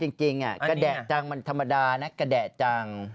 จริงกระแดะจังมันธรรมดานะกระแดะจัง